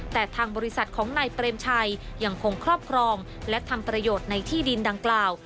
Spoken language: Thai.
แต่ทางบริษัทของนายเปรมชัยยังคงครอบครองและทำประโยชน์ในที่ดินดังกล่าว